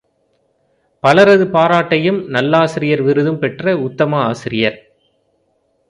பலரது பாராட்டையும் நல்லாசிரியர் விருதும் பெற்ற உத்தம ஆசிரியர்.